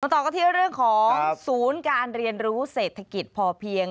ต่อกันที่เรื่องของศูนย์การเรียนรู้เศรษฐกิจพอเพียง